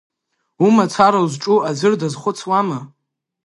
Умацара узҿу аӡәыр дазхәыцуама?